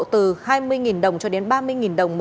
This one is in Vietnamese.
từ hai mươi đồng cho đến ba mươi đồng